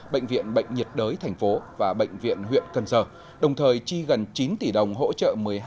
bệnh viện bệnh nhiệt đới tp và bệnh viện huyện cần giờ đồng thời chi gần chín tỷ đồng hỗ trợ